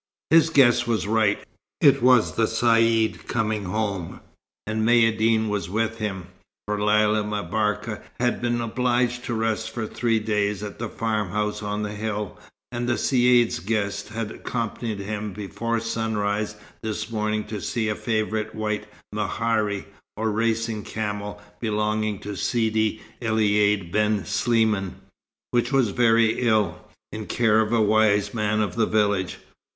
His guess was right. It was the Caïd coming home, and Maïeddine was with him; for Lella M'Barka had been obliged to rest for three days at the farmhouse on the hill, and the Caïd's guest had accompanied him before sunrise this morning to see a favourite white mehari, or racing camel, belonging to Sidi Elaïd ben Sliman, which was very ill, in care of a wise man of the village.